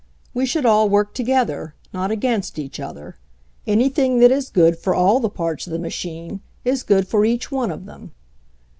We should all work together, not against each other. Anything that is good for all the parts of the machine is good for each one of them.